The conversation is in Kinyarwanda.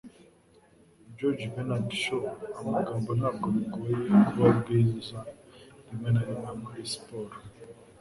Joriji Bernard Shaw Amagambo Ntabwo bigoye kuba byiza rimwe na rimwe muri siporo.